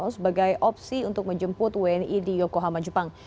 sebagai opsi untuk menjemput wni di yokohama jepang